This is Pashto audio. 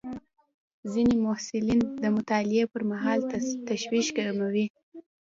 ځینې محصلین د مطالعې پر مهال تشویش کموي.